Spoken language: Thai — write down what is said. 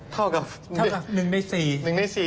เท่ากับ๑ใน๔